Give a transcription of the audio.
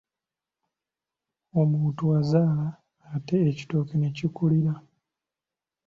Omuntu azaala ate ekitooke ne kikulira.